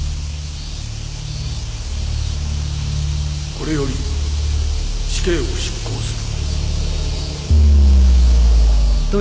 これより死刑を執行する。